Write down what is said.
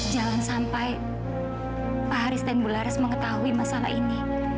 jangan sampai pak haris dan bu lares mengetahui masalah ini